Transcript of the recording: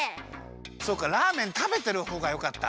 そうかラーメンたべてるほうがよかった？